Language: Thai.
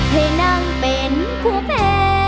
ให้นั่งเป็นผู้แพ้